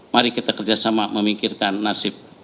mari kita kerjasama memikirkan nasib